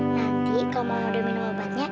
nanti kalau mau udah minum obatnya